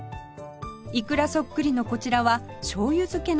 イクラそっくりのこちらはしょうゆ漬けのタピオカ